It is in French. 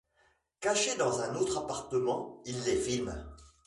Caché dans un autre appartement, il les filme.